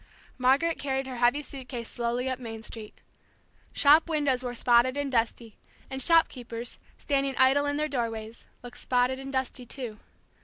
Margaret carried her heavy suit case slowly up Main Street. Shop windows were spotted and dusty, and shopkeepers, standing idle in their doorways, looked spotted and dusty too.